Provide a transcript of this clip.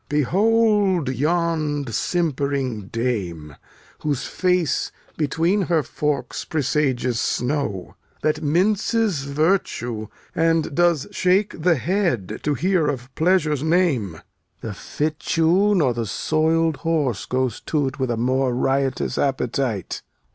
Behold yond simp'ring dame, Whose face between her forks presageth snow, That minces virtue, and does shake the head To hear of pleasure's name. The fitchew nor the soiled horse goes to't With a more riotous appetite.